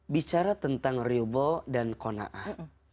bicara tentang ridho dan kona'ah